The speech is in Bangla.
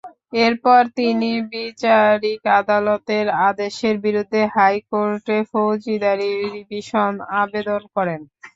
এরপর তিনি বিচারিক আদালতের আদেশের বিরুদ্ধে হাইকোর্টে ফৌজদারি রিভিশন আবেদন করেন।